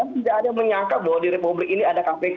tidak ada yang menyangka bahwa di republik ini ada kpk